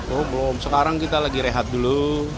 oh belum sekarang kita lagi rehat dulu